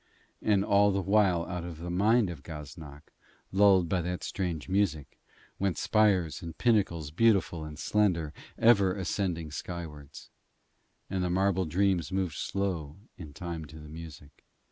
And all the while out of the mind of Gaznak, lulled by that strange music, went spires and pinnacles beautiful and slender, ever ascending skywards. And the marble dreams moved slow in time to the music.